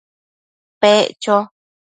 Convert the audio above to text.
Pec cho